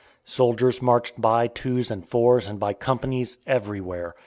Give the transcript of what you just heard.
Soldiers marched by twos and fours and by companies, everywhere.